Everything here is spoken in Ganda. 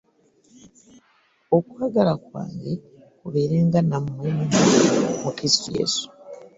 Okwagala kwange kubeerenga nammwe mwenna mu Kristo Yesu.